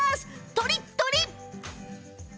とりっとり！